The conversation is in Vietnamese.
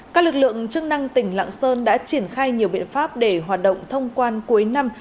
các lực lượng chức năng tỉnh lạng sơn đã triển khai nhiều biện pháp để hoạt động thông quan cuối năm